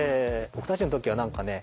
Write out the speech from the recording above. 僕たちの時は何かね